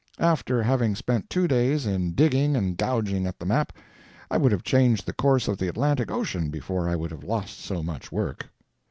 After having spent two days in digging and gouging at the map, I would have changed the course of the Atlantic ocean before I would have lost so much work.